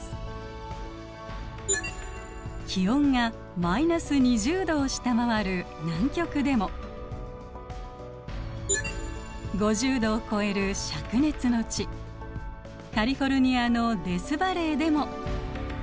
気温がマイナス２０℃を下回る南極でも５０℃を超える灼熱の地カリフォルニアのデスバレーでも。